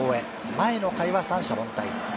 前の回は三者凡退。